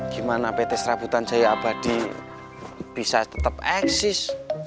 gimana pt serabutan jaya abadi bisa tetap eksis